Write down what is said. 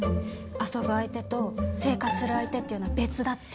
遊ぶ相手と生活する相手っていうのは別だって。